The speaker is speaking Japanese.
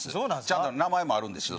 ちゃんと名前もあるんです